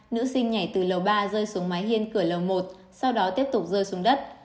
nữ sinh nhảy từ lầu ba rơi xuống máy hiên cửa lầu một sau đó tiếp tục rơi xuống đất